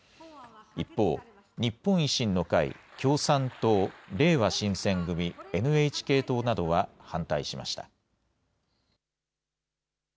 一方、日本維新の会、共産党、れいわ新選組、ＮＨＫ党などは反対しました。